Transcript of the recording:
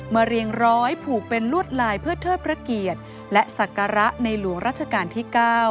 เรียงร้อยผูกเป็นลวดลายเพื่อเทิดพระเกียรติและศักระในหลวงราชการที่๙